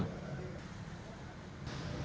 tidak ada pergeseran